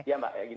ya mbak ya gitu